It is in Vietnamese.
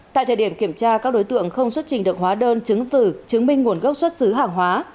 tại thời điểm kiểm tra các đối tượng không xuất trình được hóa đơn chứng từ chứng minh nguồn gốc xuất xứ hàng hóa